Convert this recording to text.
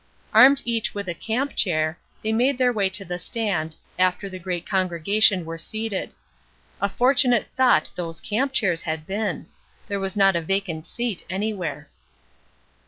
Armed each with a camp chair, they made their way to the stand, after the great congregation were seated. A fortunate thought those camp chairs had been; there was not a vacant seat anywhere.